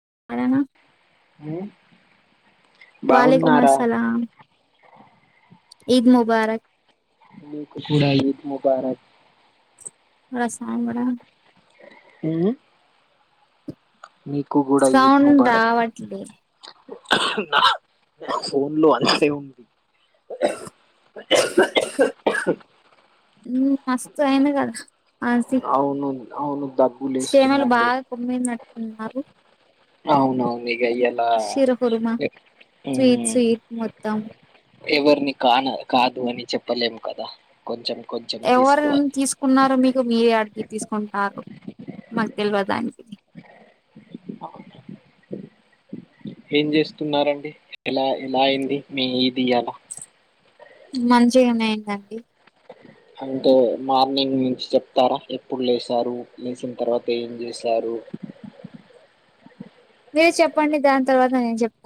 [inaudible] వాలేకు మ బాగున్నారా సలాం ఈద్ ముబారక్ మీకుకూడా ఈదు ముబారక్ రసాంబారా ఉం మీకు కూడా ఈద్ సౌండ్ ముబారక్ రావట్లే నా ఫోన్ లో అంతే ఉంది మస్తు అయింది కదా ఆ అవును అవును దగ్గు చేమలు లేస్తుందండి బాగా కొమ్మయి [unintelligible] అవునా వే శిరహురుమా స్వీట్ ఉమ్, స్వీట్ మొత్తం ఎవరిని కాన కాదు అని చెప్పలేము కదా కొంచెం కొంచెం ఎవరు తీసుకోవాలి తీసుకున్నారు మీకు మీరే అడిగి తీసుకుంటున్నారు మక్ దెల్వద్ అండీ అ ఏం చేస్తున్నడి ఎలా ఎలా అయింది మ ఇది అలా మంచిగానేయిందండి అంటే మార్నింగ్ నుంచి చెప్తారా ఎప్పుడు లేసారు లేచిన తర్వాత ఏం చేశారు మీరు చెప్పండి దాని తర్వాత ఎం చెప్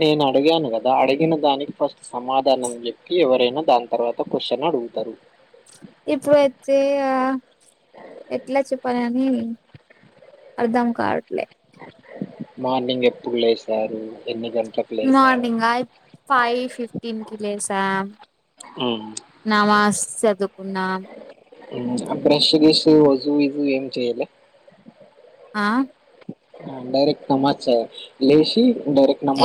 నేను అడిగాను కదా అడిగిన దానికి ఫష్ సమాధానం చెప్పి ఎవరై దాని తర్వాత క్వశ్చన్ అడుగుతారు ఇప్పుడు అయితే ఆ ఎట్లా చెప్పాలి అని అర్ధం కావట్లే మార్నింగ్ ఎప్పుడు లేస్తారు ఎన్ని గం మార్నింగ ఫైవ్ ఫిఫ్టీన్ కి లేసా నమాజ్ చదువుకున్నా [inaudible] బ్రష్ గిషూ అజుం ఇజుం ఏం చెయలె ఆ డైరెక్ట్ నమాచ లేషి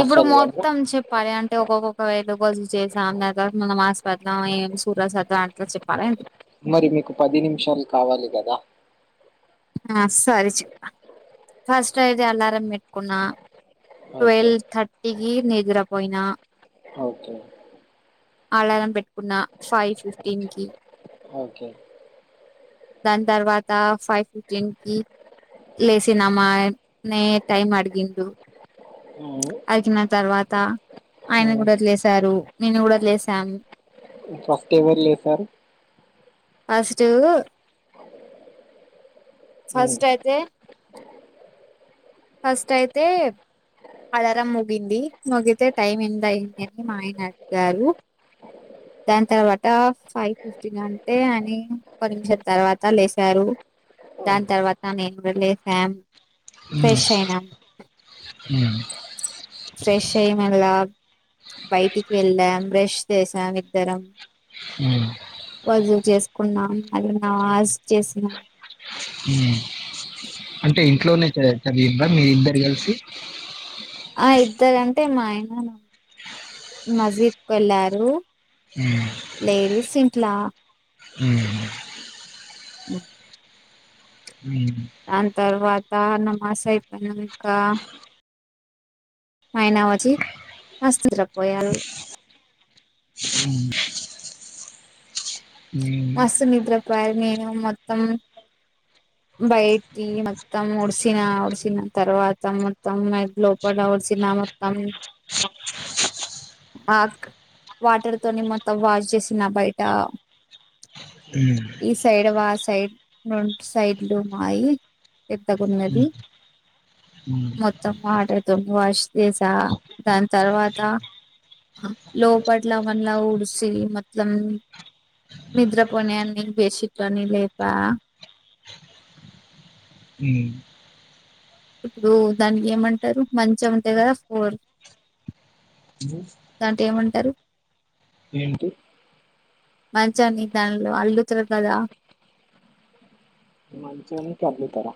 ఇప్పుడు మొత్తం చెప్పాలి అంటే ఒక్కొక్కొక్క వే ఇ బజు చేసా దాని తర్వాత [unintelligible] అంట్లా చెప్పాలంటి మరి మీకు పది నిమిషాలు కావాలి కదా ఆ సరి చెప్ప ఫస్ట్ అయితే అలారం పెట్కున్నా ఓకే ట్వెల్వ్ థర్టీకి నిద్రపోయినా ఓకే అలారం పెట్ ఉన్న ఫైవ్ ఫిఫ్టీన్ కి ఓకే దాని తర్వాత ఫైవ్ ఫిఫ్టీన్ కి లేసినమ్మాన్నయే టైం అడిగిండు అడికిిన తర్వాత ఆయన కూడా లేశారు నేను కూడా లేసాను ఫస్ట్ ఎవరు లేసారు ఫస్ట్ ఫస్ట్ అయితే ఫస్ట్ అయితే అలర ముగింది ముగితే టైం ఎంత అయింది అని మాయ అడిగారు దాని తర్వాత ఫైవ్ ఫిఫ్టీగా తే అని పది నిమిషం తర్వాత లేసారు దాని తర్వాత నేను లేసాం ఫ్రెష్ అయినాం ఫ్రెష్ అయ్య మళ్ళ బయటికి వెళ్దాం బ్రెష్ చేసాం ఇద్దరం రజులు చేసుకున్నాం అది నా ఆస్ చేసినాం అంటే ఇంట్లోనే చదివిందా మీ ఇద్దరు కలిసి ఆ ఇద్దర్ అంటే మా ఆయన మజీద్కు వెళ్ళారు ఉ లేడీస్ సింట్లా ఉం ఉమ్. దాని తర్వాత నమాస్ అయిపోయినా ఇంకా ఆయనా వచ్చి వస్తుపోయారు ఉమ్. మస్తు నిద్రపోయరు నేను మొత్తం బయటి మొత్తం ఒడిసిన ఒడిసిన తర్వాత మొత్తం లోపల ఒడిసిన మొత్తం ఆ వాటర్ తోని మొత్తం వాష్ చేసిన బయట ఉమ్. ఈ సైడ్ వా సైడ్ రెండు సైడ్లు మాయి పెద్దగున్నది ఉమ్, మొత్తం వాటర్ తోని వాష్ చేసా దాని తర్వాత లోపట్ల మనల ఉడిసి మొత్తం నిద్రపోణన్ని బేషిట్లానీ లేపా ఉమ్, ఇప్పుడు దానికి ఏమంటారు మంచం ఉంటాయి కదా ఫోర్ దాంట ఏమంటారు ఏంటి మంచంని దానిలో అల్లుతారు కదా [unintelligible] కలుతార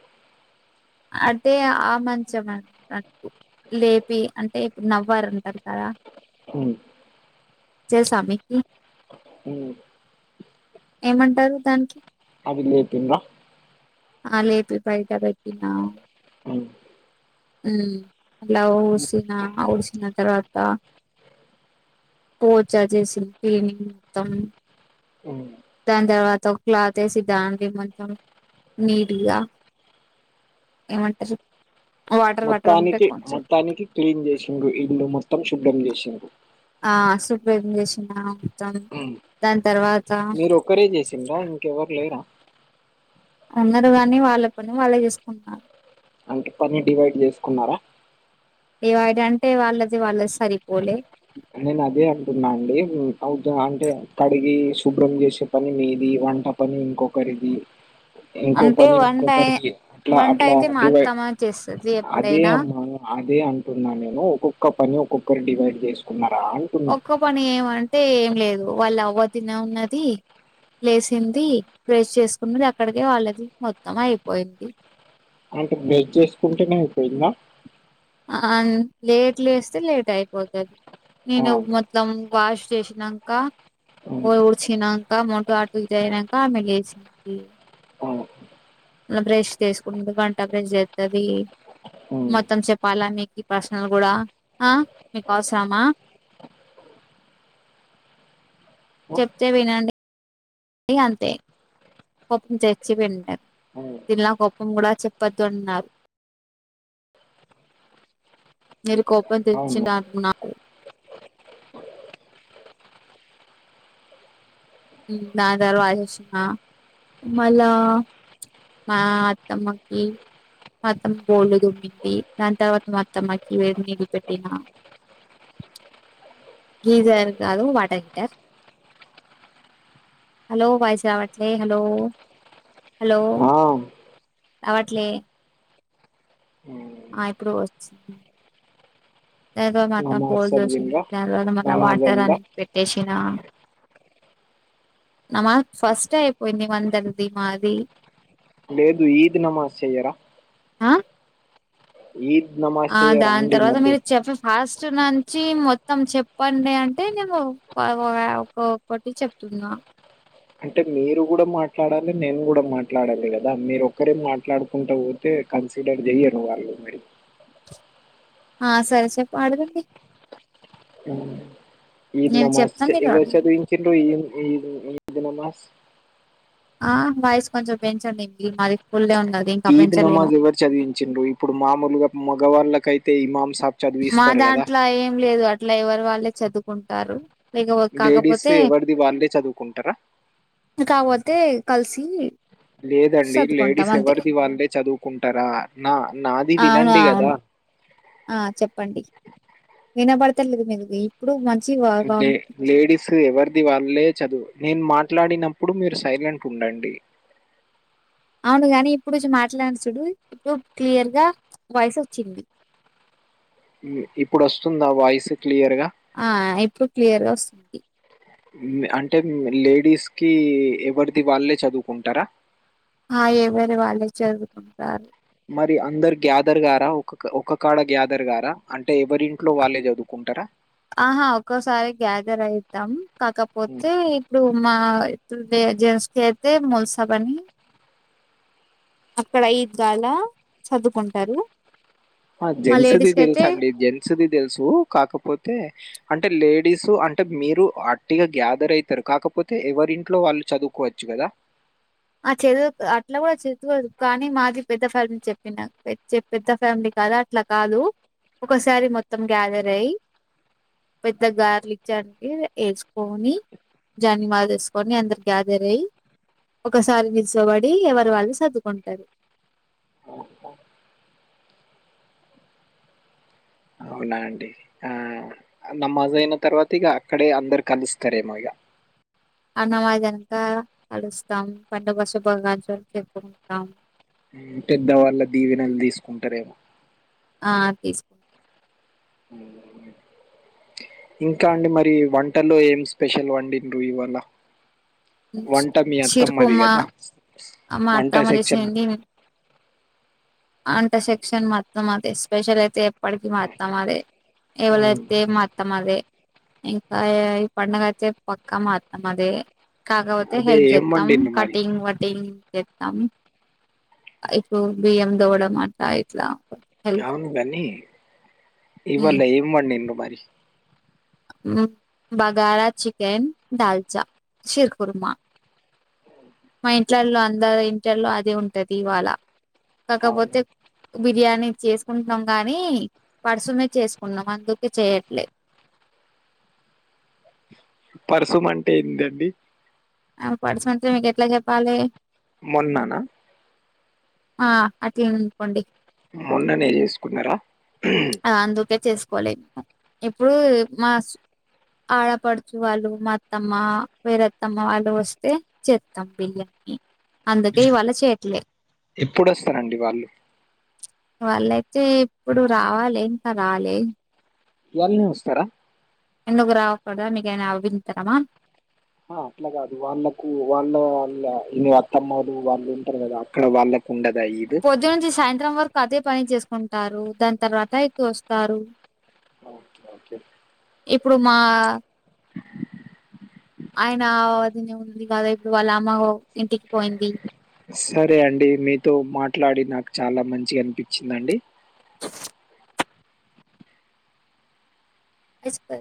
అంటే ఆ మంచం అ లేపి అంటే ఇప్పుడు నవ్వారంటారు కదా ఉమ్ చేసా మీకు ఉమ్ ఏమంటారు దానికి అది లేపిండ్రా ఆ లేపి బయట తక్కినా ఉమ్ అలా ఊసిన ఊసిన తర్వాత పోచా చేసిన క్లీనింగ్ మొత్తం ఉమ్ దాని తర్వాత ఒక క్లాత్ వేసి దాం కొంచం నీట్గా ఏమంటారు వాటర్ వాటర్ ఉంటే మొత్తానికి కొంచెం మొత్తానికి క్లీన్ చేశిండ్రు ఇల్లు మొత్తం డ్డం చేశిరు ఆ సుపెం చేశినాం ఉమ్ దాని తర్వాత మీరు ఒక్కరే చేసిండ్రా ఇంకెవరు లేరా ఉన్నరరు గని వాళ్ళ పని వాళ్ళే చేసుకుంటు అంటే పని డివైడ్ చేసుకున్నారా ఏ వాడ అంటే వాళ్ళది వాళ్ళది సరిపోలే నేను అదే అంటున్నా అండి అవుతు అంటే కడిగి శుభ్రం చేశే పని మీది వంట పని ఇంకొకరిది ఇంకో అంటే పని వంట ఇంకొకరి అట్లా వంట అట్లా అయితే మా డివై అత్తమ్మ చేస్తది అదే ఎప్పుడైనా అమ్మా అదే అంటున్నా నేను ఒక్కొక్క పని ఒక్కొక్కరి డివైడ్ జేస్ న్న ఒక్క పని ఏమంటే ఏం లేదు వాళ్ళు వదిన ఉన్నది లేసింది పేస్ చేసుకున్నది అక్కడికే వాళ్ళది మొత్తం అయిపోయింది అంటే బేజ్ చేసుకుంటేనే అయిపోయిందా లేట్ లేస్తే లేట్ అయిపోతుంది ఆ, నేను మొత్తం వాష్ చేసినాక అవును, ఊడిచినాక మొంట అటు ఇట్ అయినాక ఆమె లేసింది ఆ, బ్రష్ చేసుకుంట గంట బ్రష్ చేస్తుంది అవును, మొత్తం చె చెప్పాలా మీకు ప్రశ్నలు కూడా ఆ మీకు అవసరమా ఆ, చెప్తే వినండి అ అంతే కోపం తెచ్చి పెారు అవును, తిన్న కోపం కూడా చెప్పొద్దు అంటన్నారు మీరు కోపం తెచ్చి అవును. అనుకున్నారు ద దరవాజేసిన మళ మా అత్తమ్మకి మొత్తం బోల్డు దుమ్మింది దాని తర్వాత మా అత్తమ్మకి వేడు నీళ్ళ పెట్టిన గీజర్ కాదు వాటర్ హీటర్ హలో వాయిస్ రావట్లే హలో హలో ఆ, అవట్లే ఉమ్. ఆ ఇప్పుడు వచ్చ మ నమాజ్ బోల్జషి చదివిందా నరు మ నమాజ్ వాటర్ అయిందా అనే పెట్టేశి న నమా ఫస్ట్యిపోయింది వందడది ఈ మాదిరి లేదు ఈద్ నమాజ్ చెయ్యరా ఆ ఈద్ నమాజ్ ఆ చెయ్యరా దాని అండి తర్వాత మళ్ళీ మీరు చెప్పే ఫాస్ట్ ఫట్ నుంచి మొత్తం చెప్పండి అంటే నేను ఆ ఒక ఒకక్కటి చెప్తున్నా అంటే మీరు కూడా మాట్లాడాలి నేను కూడా మాట్లాడాలి కదా మీరు ఒక్కరే మాట్లాడుకుంటూ పోతే కన్సిడర్ చెయరు వాళ్ళు మీరు ఆ సరే చెప్ప ఆడుదండి. ఈనల్మస్తే ఎవరుచదివించుండ్రు ఈ యో ఈల్లు ఈళ్ళునమాస్ ఆ వాయసు కొంచెం పెంచండి మళ్ళీ ఈద్ నమాజ్ ఎవరు చదివించిండ్రు ఇప్పుడు మామూలుగా మగవాళ్ళకైతే తెఇమామ్ మా దాంట్లో ఏం లేదు అ ఇట్లా ఎవరు వాళ్ళే చదువుకుంటారు. లేకపో లేడీస్ కాకపోతే వి ఎవరిది వాళ్ళే చదువుకుంటారా తే కల్సి లేదండి లేడీస్ ఎవరిది వాళ్ళే చదువుకుంటారా నా నాది అవును. వినండి కదా అవును. ఆ చెప్పండి వినపడత లేదు మీది ఇప్పుడు మంచి వ వ లే లేడీస్ ఎవరిది వాళ్ళే చదువు నేను మాట్లాడినప్పుడు మీరు సైలెంట్ ఉండండి. అవునుగాని ఇప్పుడు చుమాట్లాడు చుడు ఇప్పుడు క్లియర్ గ వాయిస్ వచ్చింది ఈ ఇప్పుడు వస్తుందా వాయిసు ఆ ఇప్పుడు క్లియర్ గా వస్తుంది ఇ అంటే లేడీస్ కి ఎవరిది వాళ్ళే చదువుకుంటారా ఆ ఎవరి వాళ్ళే చదువుకుంటారు మరి అందరు గ్యాదర్ గారా ఒక ఒక కాడ గ్యాదర్ గారా అంటే ఎవరింట్లో వాళ్ళే చదువుకుంటారా ఆహా ఒక్కోసారి గ్యాదర్ అయితాం కాకపోతే ఇప్పుడు మా జెస్స్. కి అయితే ముల్సబ అని అక్కడ ఈద్గాల చదువుకుంటారు. ఆ మా జెన్సుది తెలుసు లేడీస్‌కైతే అండి జెన్సుది తెలుసు కాకపోతే అయితేఅంటే లేడీస్ అంటే మీరు అట్టిగా గ్యాదర్ అయితారు కాకపోతే ఎవరింట్లో వాళ్ళు చదువుకోచ్చు కదా ఆ చదువు అట్లా కూడా చదువుకోవచ్చు కానీ మాది పెద్ద ఫ్యామిలీ చెప్పిన పెద్ద ఫ్యామిలీ కదా అట్లా కాదు. ఒకసారి మొత్తం గ్యాదర్ అయ్యి పెద్ద గార్లి జ వేసుకొని జాన్ని మాది వేసుకొని అందరు గ్యాదర్ అయ్యి ఒకసారి నిల్చబడి ఎవరు వాళ్ళు సదుకుంటారు ఓహో అవునా అండి ఆ నమాజ్ అయిన తర్వాత ఇగ అక్కడే అందరు కలుస్తారేమో ఇగ అన్నమాదినక కలుస్తాం పెద్దగసుభాకాంక్షలుగా చెప్పుకుంటాం పెద్ద వాళ్ళ దీవెనెలు తీసుకుంటారేమో ఆ తీసుకుంటాం మ్ ఇంకా అండి మరి వంట వంటలో ఏం స్పెషల్ వండిండ్రు ఇవాళ వంట మీ అత్తమ్మది కద అమ్మ అత్తమ్మా చేసింది అంతసెక్షన్ అత్తమ్మ అదెఎస్పెషల్ అయితే చె ఎప్పటికి మ అత్తమ్మ దే హ్మ్. ఎవలైతే మత్తం అదే ఇంకా పడనగాతే పక్క మాత్ మధ కాకపోతే అదే హెల్ప్ ఏం చేస్తాం వండిండ్రు మరి? కటింగ్ వట్టి చెతాము ఇప్పుడు బియ్యం దోడం అట్లా ఇట్లా హెల్ప్ అవును కాని ఉమ్ ఇవ్వల్ ఇవ మ నను రు మ బగారా చికెన్ దాల్చా సిరుకుర్మ మా ఇంట్లో అంద ఇట్లో అది ఉంటది ఇవాళ అవునా? కాకపోతే బిర్యానీ చేసుకుంటున్నాం గానీ పర్సునేే చేసుకున్నాం అందుకే చేయట్లేదు పరశుమ అంటే ఏందండి ఆ పర్సంట మీకు ఎట్లా చెప్పాలి మొన్నానా ఆ అట్లే అంకోండి మొన్ననే చేసుకున్నారా ఆ అందుకెచేస్త కోలే మే ఇప్పుడు మా ఆడపడుచు వాళ్ళు మా అత్తమ్మ వేరత్తమ్మ వాళ్ళు వస్తే చేస్తాం బిర్యాన్ని అందుకే ఇవాళ చేయట్లేదు ఎప్పుడుొస్తానండి వాళ్ళు వాళ్ళయితే ఇప్పుడు రావాలి ఇంకా రాలే ఎయల్ నమస్కార ఎందుకు రావకూడదా మీకనా అభతారమా ఆ అట్లా కాదు వాళ్ళకు వాళ్ళ వాళ్ళ అత్తమ్మారు వాళ్ళు ఉంటారు కదా అక్కడ వాళ్ళకు ఉండదు పోజ నుంచి సాయంత్రం వరకు అద పని చేసుకుంటారు దాని తర్వాత ఎక్కు వస్తారు ఓకే ఇప్పుడు మా ఆయన అదినే ఉంది కాదా ఇప్పుడు వాళ్ళ అమ్మ ఇంటికి పోయింది సరే అండి మీతో మాట్లాడి నాకు చాలా మంచిగా అనిపించిందండి స అజపో